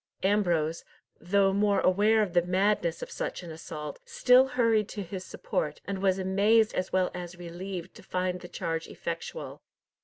Ambrose, though more aware of the madness of such an assault, still hurried to his support, and was amazed as well as relieved to find the charge effectual.